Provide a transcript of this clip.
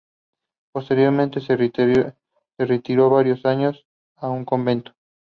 Posteriormente, se retiró varios años a un convento.